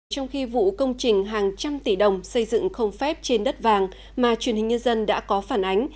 trong khi vụ công trình hàng trăm tỷ đồng xây dựng không phép trên đất vàng mà truyền hình nhân dân đã có phản ánh